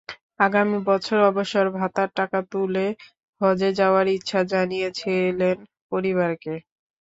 আগামী বছর অবসর ভাতার টাকা তুলে হজে যাওয়ার ইচ্ছা জানিয়েছিলেন পরিবারকে।